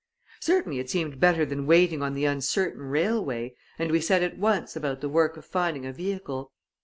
Certainly it seemed better than waiting on the uncertain railway, and we set at once about the work of finding a vehicle.